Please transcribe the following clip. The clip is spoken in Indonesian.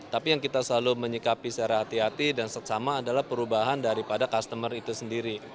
tapi yang kita selalu menyikapi secara hati hati dan sama adalah perubahan daripada customer itu sendiri